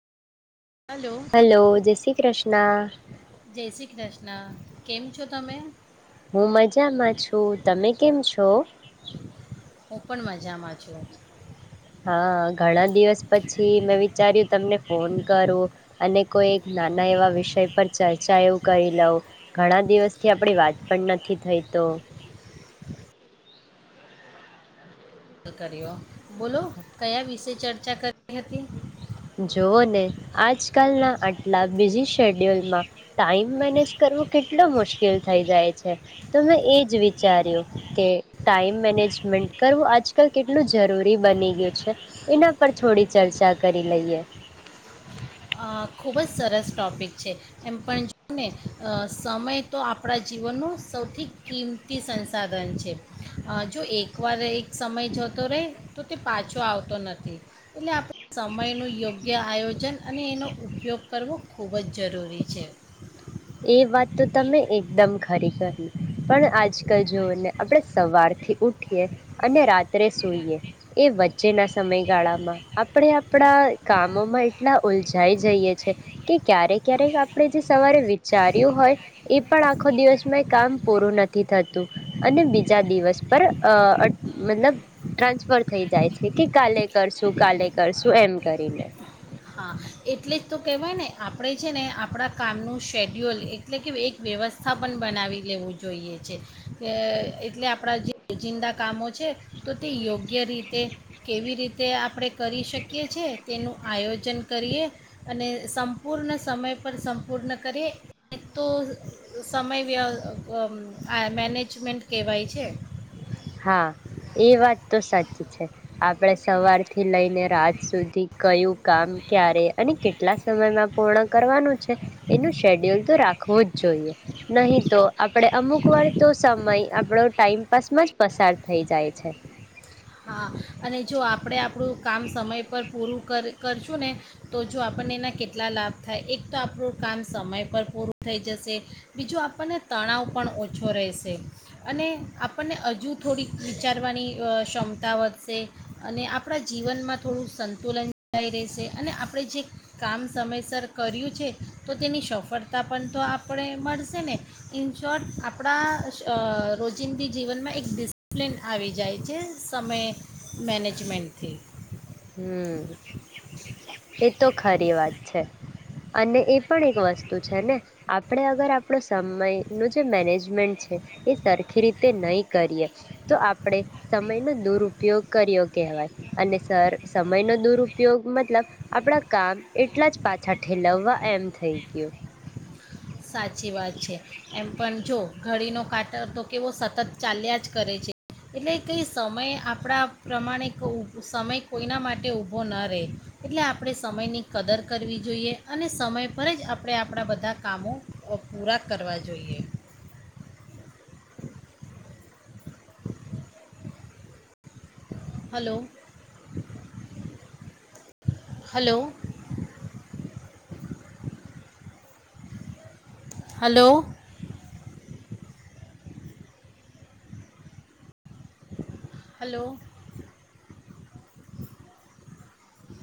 Hello, જય શ્રી કૃષ્ણ. જય શ્રી કૃષ્ણ. કેમ છો તમે? હું મજામાં છું. તમે કેમ છો? હું પણ મજામાં છું. હ ઘણા દિવસ પછી મેં વિચાર્યું તમને ફોન કરું અને કોઈ નાના એવા વિષય પર ચર્ચા એવું કરી લઉ ઘણા દિવસથી આપડી વાત પણ નથી થઈતો લ કર્યો, બોલો કયા વિશે ચર્ચા કરવી હતી? જોઓ ને આજકાલના આટલા બીજી શેડ્યુલમાં ટાઈમ મેનેજ કરવો કેટલો મુશ્કેલ થઈ જાય છે તો મેં એ જ વિચાર્યું કે ટાઈમ મેનેજમેન્ટ કરવું આજકાલ કેટલું જરૂરી બની ગયું છે. એના પર થોડી ચર્ચા કરી લઈએ ખૂબ જ સરસ ટૉપિક છે એમ પણ જો ને સમય તો આપણા જીવનનું સૌથી કિંમતી સંસાધન છે જો એકવાર એક સમય જતો રહે તો તે પાછો આવતો નથી એટલે આપણે સમયનું યોગ્ય આયોજન અને એનો ઉપયોગ કરવો ખૂબ જ જરૂરી છે. એ વાત તો તમે એકદમ ખરી હી પણ આજકાલ જવઓ ને આપણે સવારથી ઉઠીએ અને રાત્રે સૂઈએ એ વચ્ચેના સમયગાળામાં આપણે આપણા કામોમાં એટલા ઉલજાઈ જઈએ છે કે ક્યારેક, ક્યારેક આપણે જે સવારે ચાર્યું હોય એ પણ આખો દિવસમાં કામ પૂરું નથી થતું અને બીજા દિવસ પર મતલબ ટ્રાન્સફર થઈ જાય છે કે કાલે કરશું કાલે કરશું એમ કરીને. હા એટલે જ તો કહેવાય ને આપણે છે ને આપણા કામનું શેડ્યુલ એટલે કે એક વ્યવસ્થા પણ બનાવી લેવું જોઈએ છે. એટલે આપણા જે રોજિંદા કામો છે તો તે યોગ્ય રીતે કેવી રીતે આપણે કરી શકીએ છેીએ તેનું આયોજન કરીએ અને સંપૂર્ણ સમય પર સંપૂર્ણ કરીે તો સમય આ મેનેજમેન્ટ કહેવાય છે. હા એ વાત તો સાચી છે. આપડે સવાર થી લઈ ને રાત સુધી કયું કામ ક્યારે અને કેટલા સમયમાં પૂર્ણ કરવાનું છે એનું શેડ્યુલ તો રાખવું જ જોઈએ. નહીં તો આપણે અમુકવાર તો સમય આપણો ટાઈઇમપાસમાં પસાર થઈ જાય છે. હા અને જો આપડે આપણું કામ સમય પર પૂરું કર કરશું ને તો જો આપણને એના કેટલા લાભ થાય એક તો આપણું કામ સમય પર પૂરું થઈ જશે. બીજું આપણને તણાવ પણ ઓછો રહેશે. અને આપણને હજુ થોડીક વિચારવાની ક્ષમતા તા વધશે અને આપણા જીવનમાં થોડું સંતુલન જળવાઈ રહેશે અને આપણે જે કામ સમયસર કર્યું છે તો તેની સફળતા પણ તો આપણે મળશે ને. ઇન શોર્ટ આપણા રોજિંદી જીવનમાં એક ડિસિપ્લિન આવી જાય છે. સમય મેનેજમેન્ન્ટથી. હમ એ તો ખરી વાત છે. અને એ પણ એક વસ્તુ છે ને આપણે અગર આપણો સમયનું જે મેનેજમેન્ટ છે એ સરખી રીતે નહી કરીએ તો આપણે સમયનો દુરુપયોગ કર્યો કહેવાય અને સર સમયનો દુરપયોગ મતલબ આપણા કામ એટલા જ પાછા ઠેલવવા એમ થઈ ગયું. સાચી વાત છે એમ પણ જો ઘડીનો કાટર તો કેવો સતત ચાલ્યા જ કરે છે. એટલે કંઈ સમય આપણા પ્રમાણે સમય કોઈના માટે ઊભો ન રહે એટલે આપણે સમયની કદર કરવી જોઈએ. અને સમય પર જ આપણે આપણા બધા કામો ઓ પૂરા કરવા જોઈએ. હલો. હલો. હલો. હલો